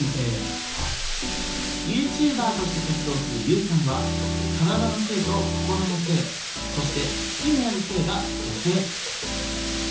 ＹｏｕＴｕｂｅｒとして活動するＵさんは体の性と心の性そして好きになる性が女性。